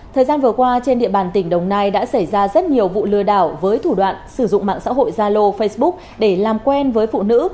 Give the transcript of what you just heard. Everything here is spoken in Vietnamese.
thời gian vừa qua trên địa bàn tỉnh đồng nai đã xảy ra rất nhiều vụ lừa đảo với thủ đoạn sử dụng mạng xã hội zalo facebook để làm quen với phụ nữ